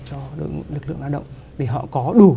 cho đội ngũ lực lượng lao động để họ có đủ